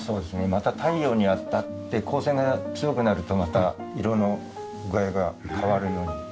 また太陽に当たって光線が強くなるとまた色の具合が変わるように。